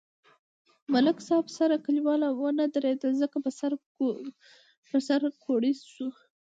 ملک صاحب سره کلیوال و نه درېدل ځکه په سر کوړئ شو.